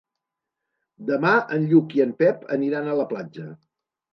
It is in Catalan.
Demà en Lluc i en Pep aniran a la platja.